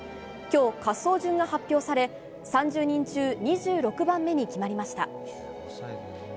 今日、滑走順が発表され３０人中２６番目に決まりました。